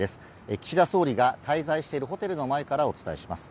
岸田総理が滞在しているホテルの前からお伝えします。